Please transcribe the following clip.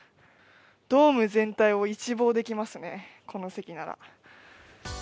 ドーム全体を一望できますね、この席なら。